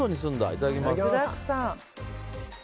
いただきます。